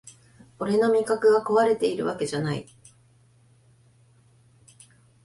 俺の味覚がこわれてるわけじゃない